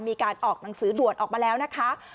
มีการออกหนังสือด่วนออกมาแล้วนะคะ